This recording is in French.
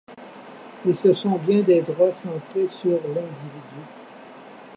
Et ce sont bien des droits centrés sur l’individu.